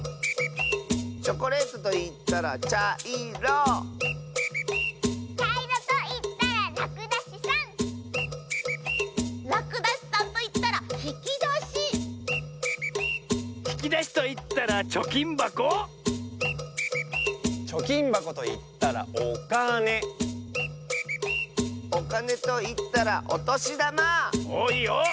チョコレートといったらちゃいろちゃいろといったららくだしさんらくだしさんといったらひきだしひきだしといったらちょきんばこちょきんばこといったらおかねおかねといったらおとしだまおっいいよ。